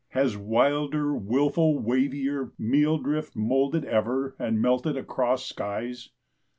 has wilder, wilful wavier Meal drift moulded ever and melted across skies?